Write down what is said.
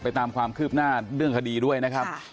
ตามความคืบหน้าเรื่องคดีด้วยนะครับ